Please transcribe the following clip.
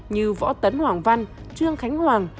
như võ tấn hoàng văn trương khánh hoàng